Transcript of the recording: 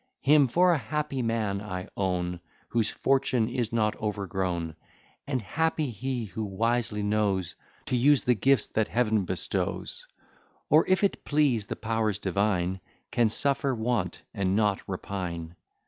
Him for a happy man I own, Whose fortune is not overgrown; And happy he who wisely knows To use the gifts that Heaven bestows; Or, if it please the powers divine, Can suffer want and not repine.